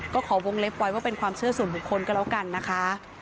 ก็ขอวงเล็บไว้ว่าเป็นความเชื่อส่วนบุคคลก็แล้วกันนะคะ